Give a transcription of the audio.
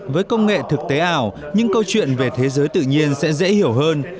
với công nghệ thực tế ảo những câu chuyện về thế giới tự nhiên sẽ dễ hiểu hơn